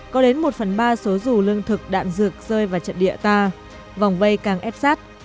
có đến một phần ba số dù lương thực đạn dược rơi vào trận địa ta vòng vây càng ép sát